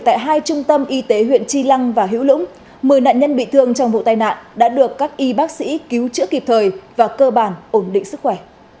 tại hai trung tâm y tế huyện chi lăng và hữu lũng một mươi nạn nhân bị thương trong vụ tai nạn đã được các y bác sĩ cứu chữa kịp thời và cơ bản ổn định sức khỏe